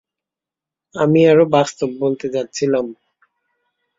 আমি আরো বাস্তব বলতে যাচ্ছিলাম।